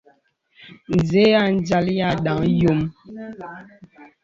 Zə̀ a nzàl y à ndaŋ yōm.